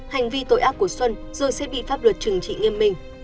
hành vi tội ác của xuân rồi sẽ bị pháp luật trừng trị nghiêm minh